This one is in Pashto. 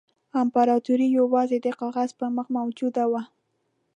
امپراطوري یوازې د کاغذ پر مخ موجوده وه.